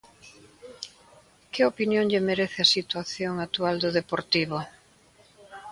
Que opinión lle merece a situación actual do Deportivo?